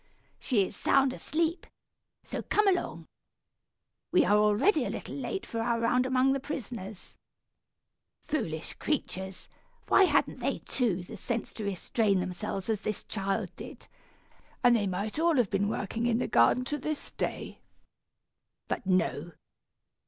"She is sound asleep, so come along. We are already a little late for our round among the prisoners. Foolish creatures! Why hadn't they, too, the sense to restrain themselves as this child did, and they might all have been working in the gardens, to this day. But no!